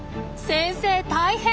先生大変！